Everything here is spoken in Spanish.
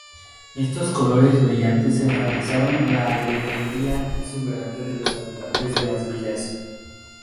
Estos colores brillantes enfatizaron la alegría exuberante de los habitantes de las villas.